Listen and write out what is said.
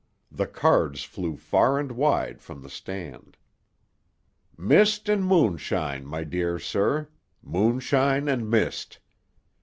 The cards flew far and wide, from the stand. "Mist and moonshine, my dear sir! Moonshine and mist!